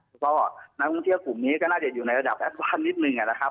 แล้วก็นักท่องเที่ยวกลุ่มนี้ก็น่าจะอยู่ในระดับแอดวานนิดนึงนะครับ